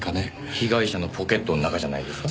被害者のポケットの中じゃないですか？